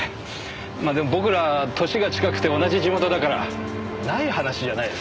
まあでも僕ら年が近くて同じ地元だからない話じゃないです。